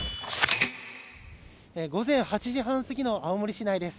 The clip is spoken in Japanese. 午前８時半過ぎの青森市内です。